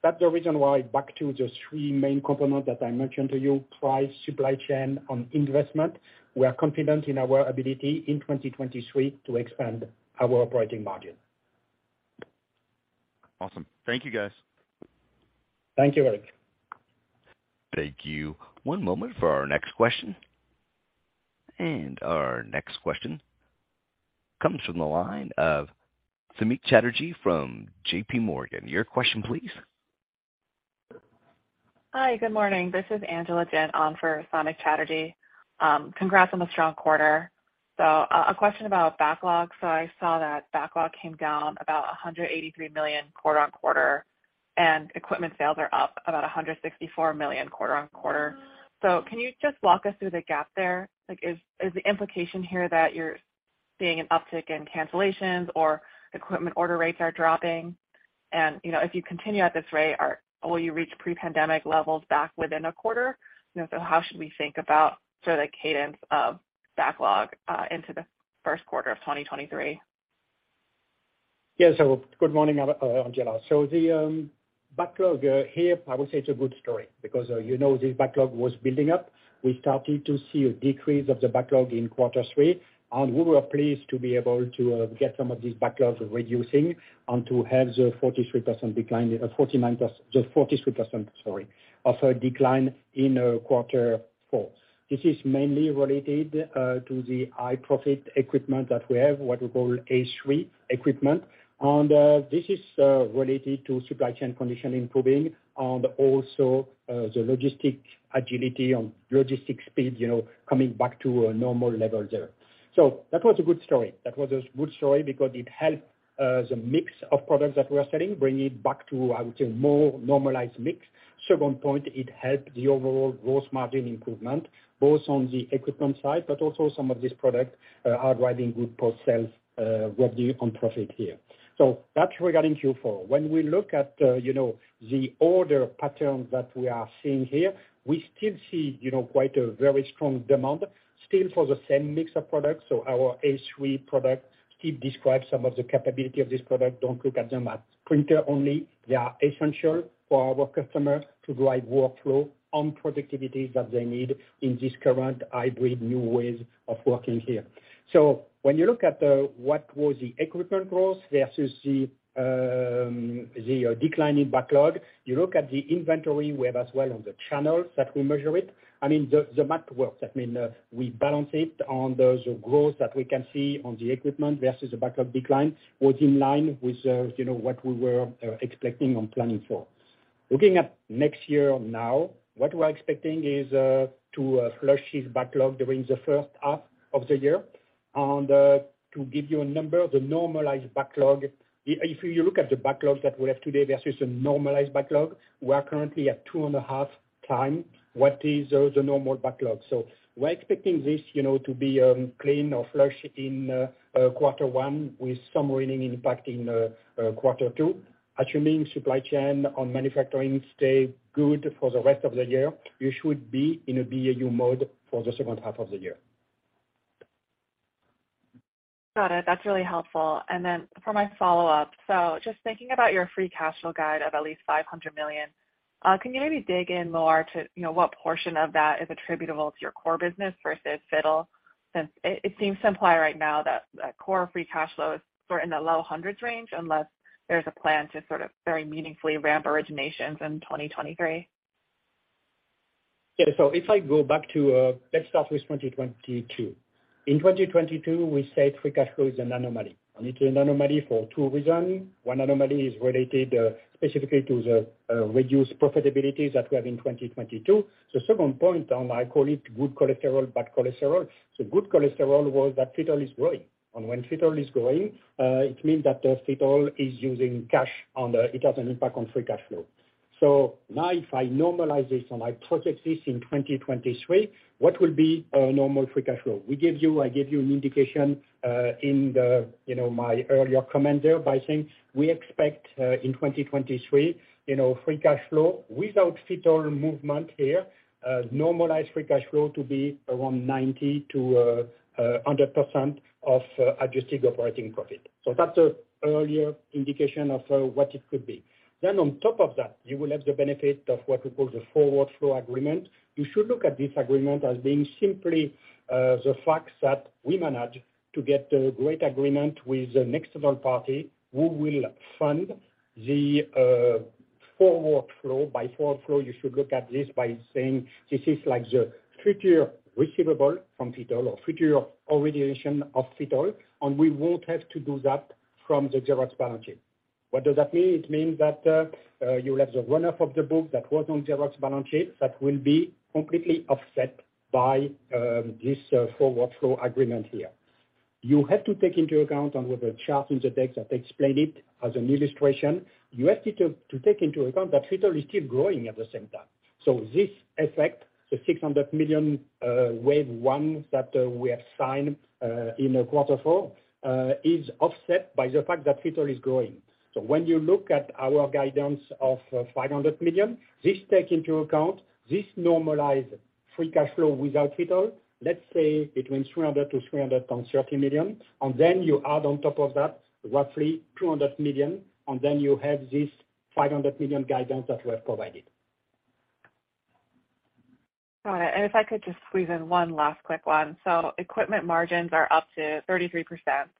That's the reason why back to the 3 main components that I mentioned to you, price, supply chain and investment. We are confident in our ability in 2023 to expand our operating margin. Awesome. Thank you, guys. Thank you, Erik. Thank you. One moment for our next question. Our next question comes from the line of Samik Chatterjee from JP Morgan. Your question please. Hi, good morning. This is Angela Jin on for Samik Chatterjee. Congrats on the strong quarter. A question about backlog. I saw that backlog came down about $183 million quarter-over-quarter, and equipment sales are up about $164 million quarter-over-quarter. Can you just walk us through the gap there? Like, is the implication here that you're seeing an uptick in cancellations or equipment order rates are dropping? You know, if you continue at this rate, will you reach pre-pandemic levels back within a quarter? You know, how should we think about sort of the cadence of backlog into the Q1 of 2023? Good morning, Angela. The backlog here, I would say it's a good story because, you know, this backlog was building up. We started to see a decrease of the backlog in Q3, and we were pleased to be able to get some of these backlogs reducing and to have the 43% decline, sorry, of a decline in Q4. This is mainly related to the high profit equipment that we have, what we call A3 equipment. This is related to supply chain condition improving and also the logistic agility and logistic speed, you know, coming back to a normal level there. That was a good story. That was a good story because it helped the mix of products that we're selling, bring it back to, I would say, a more normalized mix. 2nd point, it helped the overall gross margin improvement, both on the equipment side but also some of these products are driving good post sales revenue and profit here. That's regarding Q4. When we look at, you know, the order pattern that we are seeing here, we still see, you know, quite a very strong demand still for the same mix of products. Our A3 product, Steve described some of the capability of this product. Don't look at them as printer only. They are essential for our customers to drive workflow on productivities that they need in this current hybrid new ways of working here. When you look at what was the equipment growth versus the decline in backlog, you look at the inventory we have as well on the channels that we measure it. I mean, the math works. I mean, we balance it on the growth that we can see on the equipment versus the backlog decline was in line with, you know, what we were expecting and planning for. Looking at next year now, what we're expecting is to flush this backlog during the H1 of the year. To give you a number, the normalized backlog, if you look at the backlog that we have today versus the normalized backlog, we are currently at 2.5 times what is the normal backlog. We're expecting this, you know, to be clean or flush in Q1 with some remaining impact in Q2. Assuming supply chain on manufacturing stay good for the rest of the year, we should be in a BAU mode for the H2 of the year. Got it. That's really helpful. For my follow-up. Just thinking about your free cash flow guide of at least $500 million, can you maybe dig in more to, you know, what portion of that is attributable to your core business versus FITTLE? Since it seems to imply right now that core free cash flow is sort of in the low hundreds range unless there's a plan to sort of very meaningfully ramp originations in 2023. Yeah. If I go back to, let's start with 2022. In 2022, we said free cash flow is an anomaly, and it's an anomaly for 2 reasons. 1 anomaly is related specifically to the reduced profitability that we have in 2022. The 2nd point, I call it good cholesterol, bad cholesterol. Good cholesterol was that FITTLE is growing. When FITTLE is growing, it means that FITTLE is using cash and it has an impact on free cash flow. Now if I normalize this and I project this in 2023, what will be our normal free cash flow? I gave you an indication, in the, you know, my earlier comment there by saying we expect in 2023, you know, free cash flow without FITTLE movement here, normalized free cash flow to be around 90% to 100% of adjusted operating profit. That's an earlier indication of what it could be. On top of that, you will have the benefit of what we call the forward flow agreement. You should look at this agreement as being simply the fact that we managed to get a great agreement with an external party who will fund the forward flow. By forward flow, you should look at this by saying this is like the future receivable from FITTLE or future obligation of FITTLE, and we won't have to do that from the Xerox balance sheet. What does that mean? It means that you will have the runoff of the book that was on Xerox balance sheet that will be completely offset by this forward flow agreement here. You have to take into account on with the chart in the deck that explain it as an illustration, you have to take into account that FITTLE is still growing at the same time. This effect, the $600 million wave 1 that we have signed in Q4, is offset by the fact that FITTLE is growing. When you look at our guidance of $500 million, this take into account, this normalize free cash flow without FITTLE, let's say between $300 million to $330 million, and then you add on top of that roughly $200 million, and then you have this $500 million guidance that we have provided. Got it. If I could just squeeze in 1 last quick one. Equipment margins are up to 33%,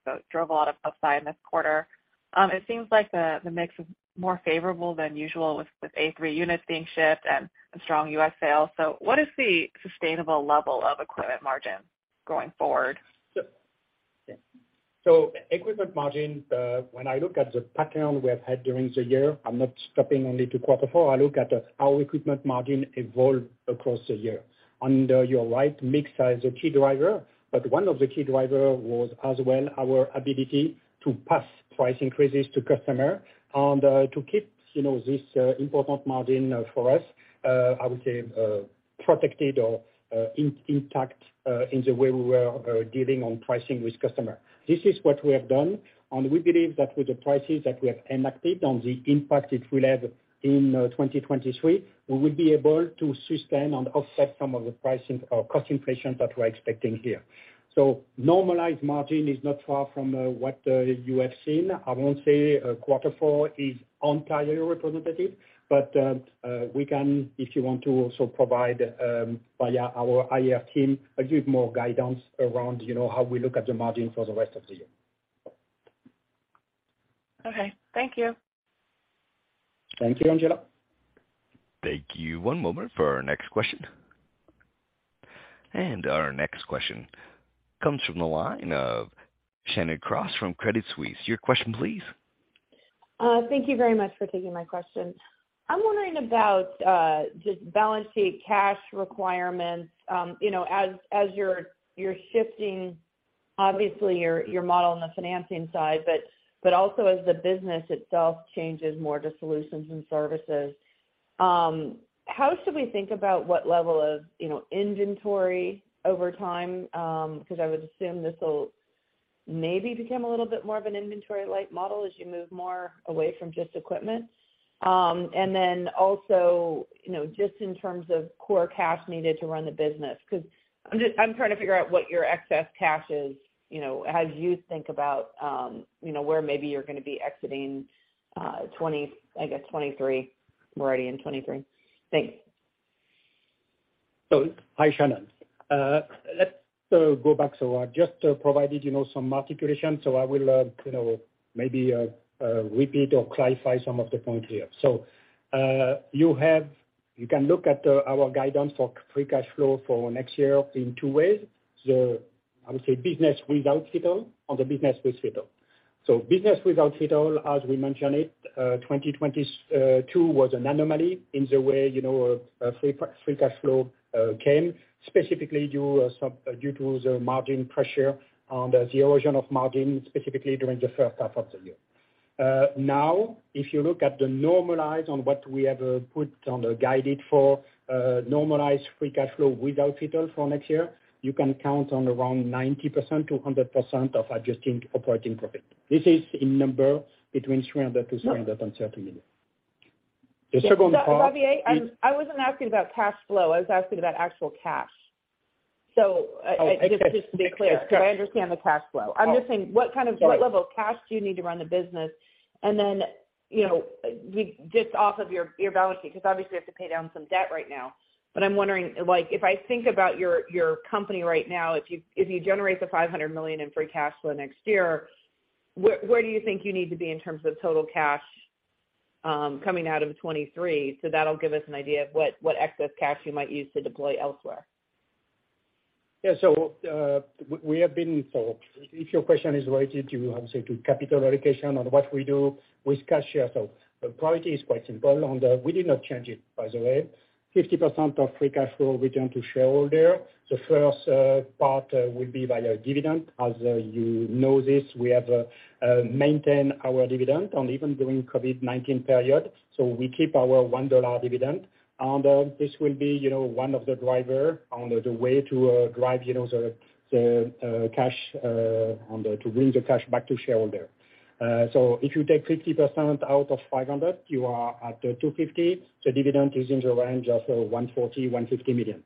so it drove a lot of upside this quarter. It seems like the mix is more favorable than usual with A3 units being shipped and strong US sales. What is the sustainable level of equipment margin going forward? Equipment margin, when I look at the pattern we have had during the year, I'm not stopping only to Q4. I look at how equipment margin evolved across the year. Under your right mix as a key driver, but 1 of the key driver was as well our ability to pass price increases to customer and to keep, you know, this important margin for us, I would say, protected or intact, in the way we were dealing on pricing with customer. This is what we have done, and we believe that with the prices that we have enacted and the impact it will have in 2023, we will be able to sustain and offset some of the pricing or cost inflation that we're expecting here. Normalized margin is not far from what you have seen. I won't say Q4 is entirely representative, but we can, if you want to, also provide via our IR team, a bit more guidance around, you know, how we look at the margin for the rest of the year. Okay. Thank you. Thank you, Angela. Thank you. One moment for our next question. Our next question comes from the line of Shannon Cross from Credit Suisse. Your question please. Thank you very much for taking my question. I'm wondering about just balance sheet cash requirements. You know, as you're shifting obviously your model on the financing side, but also as the business itself changes more to solutions and services, how should we think about what level of, you know, inventory over time? Because I would assume this'll maybe become a little bit more of an inventory-like model as you move more away from just equipment. Also, you know, just in terms of core cash needed to run the business, because I'm trying to figure out what your excess cash is, you know, as you think about, you know, where maybe you're gonna be exiting 2023. We're already in 2023. Thanks. Hi, Shannon. Let's go back. I just provided, you know, some market position, so I will, you know, maybe repeat or clarify some of the point here. You can look at our guidance for free cash flow for next year in 2 ways. The, I would say business without FITTLE or the business with FITTLE. Business without FITTLE, as we mentioned it, 2022 was an anomaly in the way, you know, free cash flow came, specifically due some, due to the margin pressure and the erosion of margin, specifically during the H1 of the year. Now, if you look at the normalized on what we have put on the guided for, normalized free cash flow without FITTLE for next year, you can count on around 90% to 100% of adjusting operating profit. This is in number between $300 million to $330 million. The second part is. Xavier, I wasn't asking about cash flow. I was asking about actual cash. Oh, okay. just to be clear. Yes. Go ahead. I understand the cash flow. Oh. I'm just saying. Sorry. What level of cash do you need to run the business? You know, we just off of your balance sheet, 'cause obviously you have to pay down some debt right now, but I'm wondering, like if I think about your company right now, if you, if you generate the $500 million in free cash flow next year, where do you think you need to be in terms of total cash coming out of 2023? That'll give us an idea of what excess cash you might use to deploy elsewhere. If your question is related to capital allocation or what we do with cash share. The priority is quite simple, we did not change it, by the way. 50% of free cash flow return to shareholder. The first part will be via dividend. You know this, we have maintain our dividend on even during COVID-19 period. We keep our $1 dividend. This will be, you know, 1 of the driver on the way to drive, you know, the cash to bring the cash back to shareholder. If you take 50% out of $500, you are at $250. The dividend is in the range of $140 million to $150 million.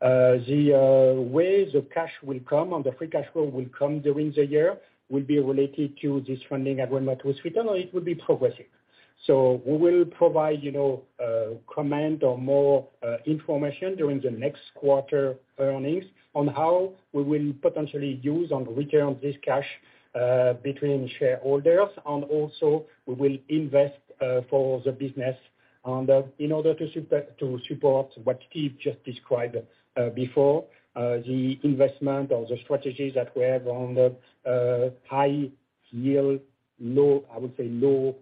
The way the cash will come and the free cash flow will come during the year will be related to this funding agreement with FITTLE, it will be progressive. We will provide, you know, comment or more information during the next quarter earnings on how we will potentially use and return this cash between shareholders. Also we will invest for the business in order to support what Steve just described before. The investment or the strategies that we have on the high yield, low, I would say low,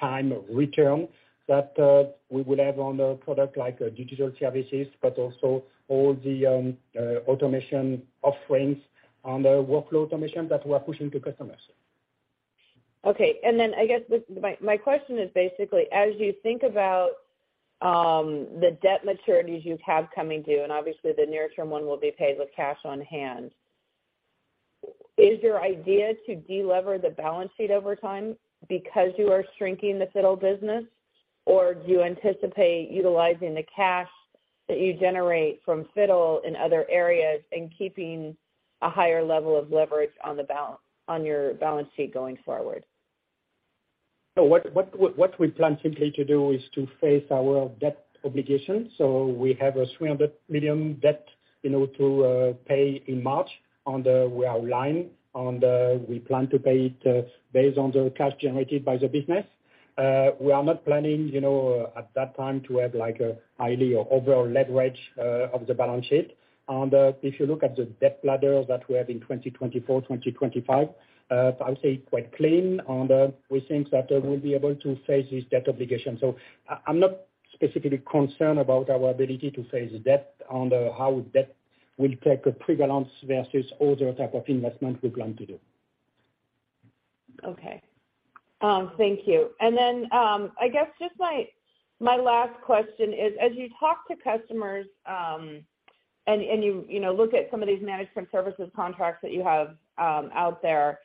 time return that we would have on a product like digital services, but also all the automation offerings on the workload automation that we're pushing to customers. Okay. My question is basically as you think about the debt maturities you have coming due, and obviously the near term 1 will be paid with cash on hand, is your idea to de-lever the balance sheet over time because you are shrinking the FITTLE business? Or do you anticipate utilizing the cash that you generate from FITTLE in other areas and keeping a higher level of leverage on your balance sheet going forward? What we plan simply to do is to face our debt obligation. We have a $300 million debt, you know, to pay in March. We plan to pay it based on the cash generated by the business. If you look at the debt ladder that we have in 2024, 2025, I'll say quite clean. We think that we'll be able to face this debt obligation. I'm not specifically concerned about our ability to face debt on the how debt will take a prevalence versus other type of investment we plan to do. Okay. Thank you. Then, I guess just my last question is, as you talk to customers, and you know, look at some of these management services contracts that you have, out there,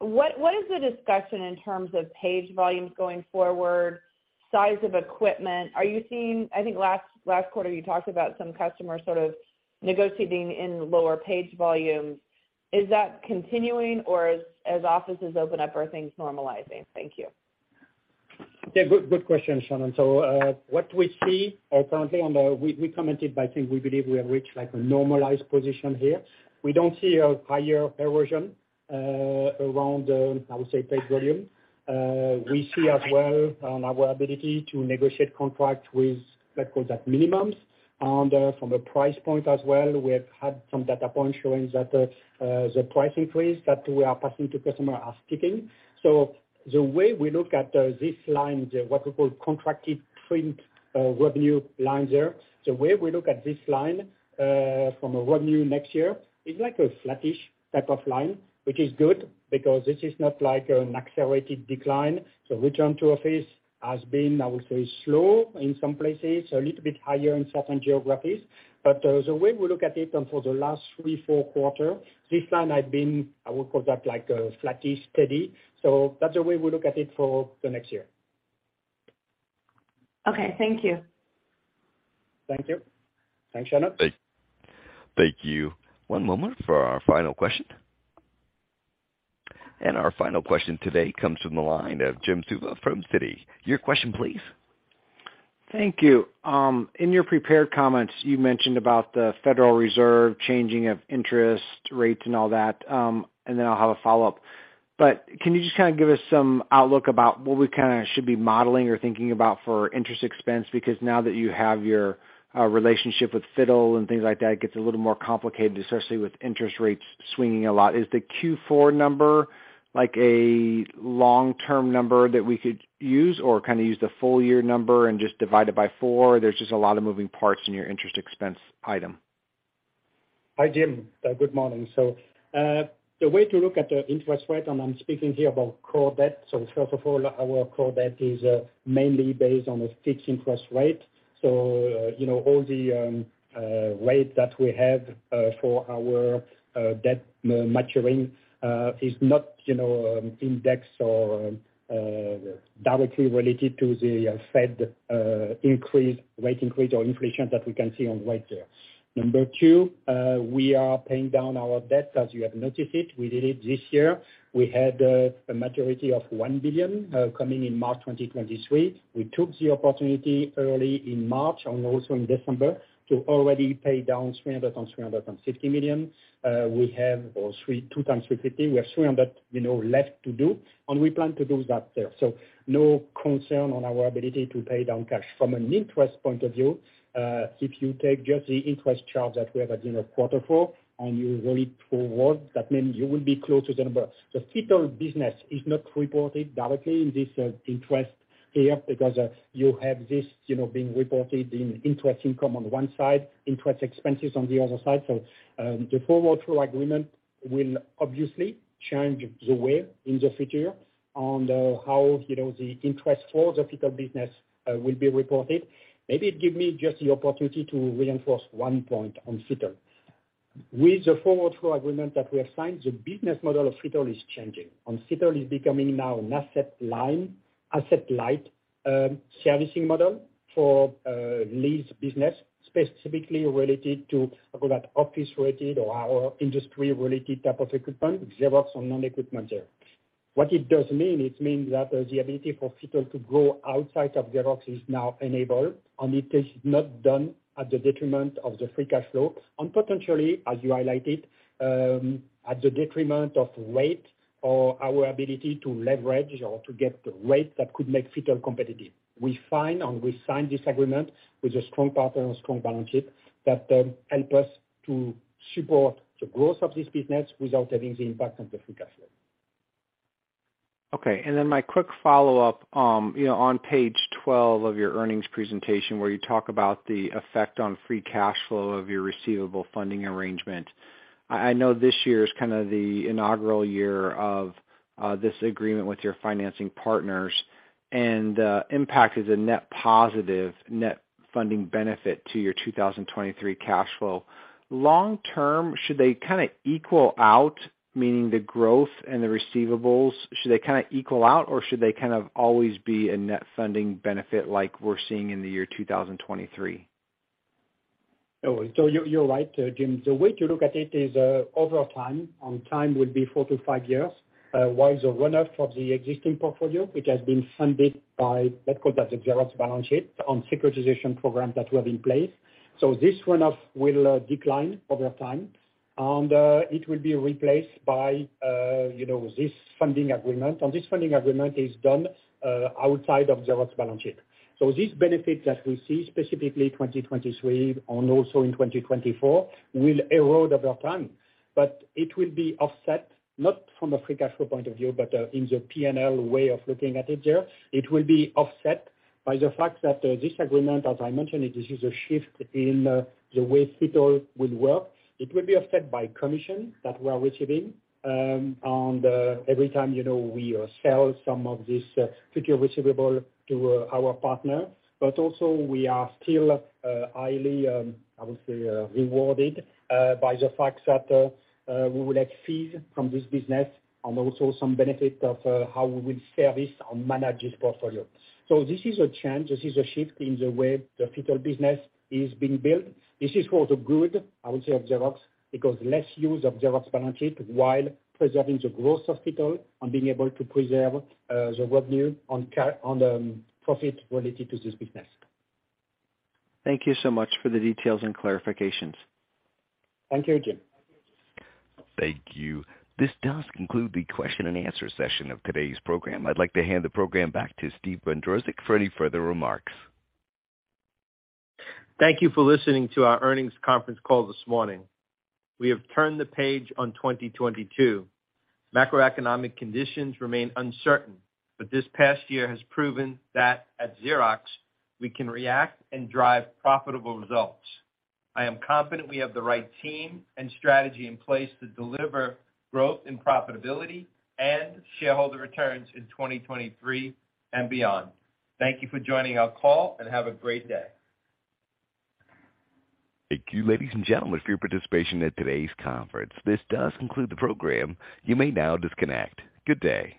what is the discussion in terms of page volumes going forward, size of equipment? I think last quarter you talked about some customers sort of negotiating in lower page volumes. Is that continuing or as offices open up, are things normalizing? Thank you. Yeah. Good, good question, Shannon. What we see currently on the, we commented, but I think we believe we have reached like a normalized position here. We don't see a higher erosion around, I would say page volume. We see as well on our ability to negotiate contract with, let's call that minimums. From a price point as well, we have had some data points showing that the price increase that we are passing to customer are sticking. The way we look at this line, the what we call contracted print revenue line there, the way we look at this line from a revenue next year is like a flattish type of line, which is good because this is not like an accelerated decline. The return to office has been, I would say, slow in some places, a little bit higher in certain geographies. The way we look at it and for the last 3, 4 quarter, this line has been, I would call that like a flattish steady. That's the way we look at it for the next year. Okay. Thank you. Thank you. Thanks, Shannon. Thank you. One moment for our final question. Our final question today comes from the line of Jim Suva from Citi. Your question please. Thank you. In your prepared comments, you mentioned about the Federal Reserve changing of interest rates and all that. Then I'll have a follow-up. Can you just kind of give us some outlook about what we kind of should be modeling or thinking about for interest expense? Because now that you have your relationship with FITTLE and things like that, it gets a little more complicated, especially with interest rates swinging a lot. Is the Q4 number like a long-term number that we could use or kind of use the full year number and just divide it by 4? There's just a lot of moving parts in your interest expense item. Hi, Jim. Good morning. The way to look at the interest rate, and I'm speaking here about core debt, first of all, our core debt is mainly based on a fixed interest rate. You know, all the rate that we have for our debt maturing is not, you know, index or directly related to the Fed increase, rate increase or inflation that we can see on right there. Number 2, we are paying down our debt, as you have noticed it. We did it this year. We had a maturity of $1 billion coming in March 2023. We took the opportunity early in March and also in December to already pay down $350 million. We have or 3, 2 times 350. We have 300, you know, left to do, and we plan to do that there. No concern on our ability to pay down cash. From an interest point of view, if you take just the interest charge that we have at, you know, Q4 and you roll it forward, that means you will be close to the number. The FITTLE business is not reported directly in this interest here, because you have this, you know, being reported in interest income on 1 side, interest expenses on the other side. The forward flow agreement will obviously change the way in the future on the how, you know, the interest for the FITTLE business will be reported. Maybe it give me just the opportunity to reinforce 1 point on FITTLE. With the forward flow agreement that we have signed, the business model of FITTLE is changing. FITTLE is becoming now an asset line, asset-light, servicing model for lease business, specifically related to, call it, office related or our industry related type of equipment, Xerox on non-equipment there. What it does mean, it means that the ability for FITTLE to grow outside of Xerox is now enabled. It is not done at the detriment of the free cash flow. Potentially, as you highlighted, at the detriment of rate or our ability to leverage or to get rates that could make FITTLE competitive. We find and we sign this agreement with a strong partner and strong balance sheet that help us to support the growth of this business without having the impact on the free cash flow. Okay. My quick follow-up, you know, on page 12 of your earnings presentation, where you talk about the effect on free cash flow of your receivable funding arrangement. I know this year is kind of the inaugural year of this agreement with your financing partners, and impact is a net positive net funding benefit to your 2023 cash flow. Long term, should they kind of equal out, meaning the growth and the receivables, should they kind of equal out or should they kind of always be a net funding benefit like we're seeing in the year 2023? You're right, Jim. The way to look at it is over time, and time will be 4 to 5 years, while the runoff of the existing portfolio, which has been funded by, let's call that, the Xerox balance sheet on securitization program that we have in place. This runoff will decline over time, and it will be replaced by, you know, this funding agreement. This funding agreement is done outside of Xerox balance sheet. This benefit that we see specifically 2023 and also in 2024 will erode over time. It will be offset, not from a free cash flow point of view, but in the PNL way of looking at it there. It will be offset by the fact that this agreement, as I mentioned, it is a shift in the way FITTLE will work. It will be offset by commission that we're receiving on the every time, you know, we sell some of this FITTLE receivable to our partner. Also we are still highly, I would say, rewarded by the fact that we will have fees from this business and also some benefit of how we will service and manage this portfolio. This is a change. This is a shift in the way the FITTLE business is being built. This is for the good, I would say, of Xerox, because less use of Xerox balance sheet while preserving the growth of FITTLE and being able to preserve the revenue on the profit related to this business. Thank you so much for the details and clarifications. Thank you, Jim. Thank you. This does conclude the question and answer session of today's program. I'd like to hand the program back to Steve Bandrowczak for any further remarks. Thank you for listening to our earnings conference call this morning. We have turned the page on 2022. Macroeconomic conditions remain uncertain. This past year has proven that at Xerox we can react and drive profitable results. I am confident we have the right team and strategy in place to deliver growth and profitability and shareholder returns in 2023 and beyond. Thank you for joining our call and have a great day. Thank you, ladies and gentlemen, for your participation at today's conference. This does conclude the program. You may now disconnect. Good day.